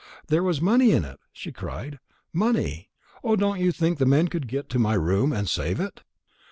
"There was money in it," she cried, "money! Oh, don't you think the men could get to my room and save it?"